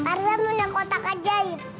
karena menengkotak ajaib